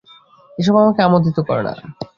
এসব আমাকে আমোদিত করে না।